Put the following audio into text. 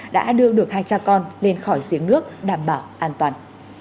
đã đưa được hai cha con lên khỏi giếng nước đảm bảo an toàn